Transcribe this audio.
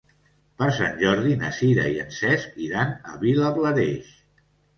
Per Sant Jordi na Sira i en Cesc iran a Vilablareix.